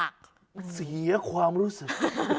ดูเอาเอง